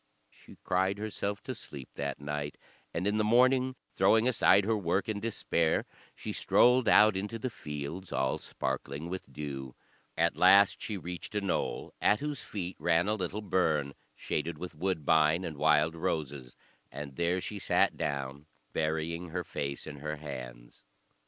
She cried herself to sleep that night, and in the morning, throwing aside her work in despair, she strolled out into the fields, all sparkling with dew. At last she reached a knoll, at whose feet ran a little burn, shaded with woodbine and wild roses; and there she sat down, burying her face in her hands.